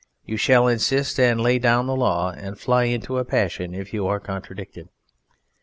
You shall insist and lay down the law and fly into a passion if you are contradicted.